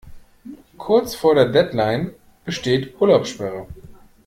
Kurz vor der Deadline besteht Urlaubssperre.